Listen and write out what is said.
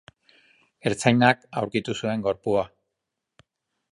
Ertzainak aurkitu zuen gorpua.